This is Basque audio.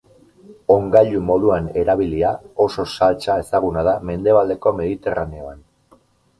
Ongailu moduan erabilia, oso saltsa ezaguna da mendebaldeko Mediterraneoan.